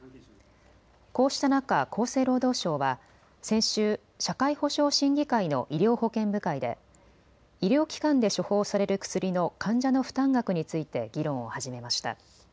こうした中、厚生労働省は先週、社会保障審議会の医療保険部会で医療機関で処方される薬の患者の負担額について議論を始めました。